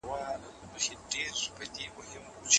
که مزاجونه سره ورته نه وي، څېړنه ستونزمنه کېږي.